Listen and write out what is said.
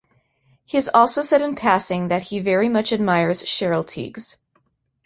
He has also said in passing that he very much admires Cheryl Tiegs.